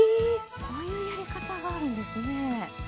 こういうやり方があるんですね。